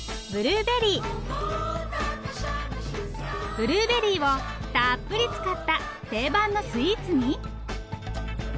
ブルーベリーをたっぷり使った定番のスイーツに。